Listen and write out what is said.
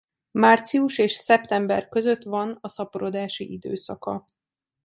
Március és szeptember között van a szaporodási időszaka.